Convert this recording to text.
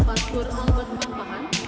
pak sur albert mampahan